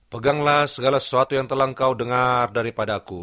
peganglah segala sesuatu yang telah engkau dengar daripada aku